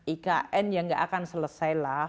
ikn yang nggak akan selesailah